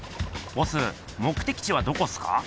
ボス目的地はどこっすか？